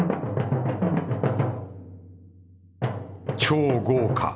超豪華。